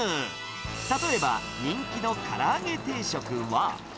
例えば人気のから揚げ定食は。